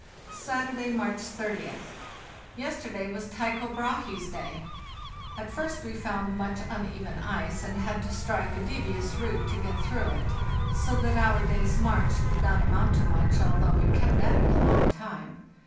"Saturday, March 30th. Yesterday was Tycho Brahe's day. At first we found much uneven ice, and had to strike a devious route to get through it, so that our day's march did not amount to much, although we kept at it a long time.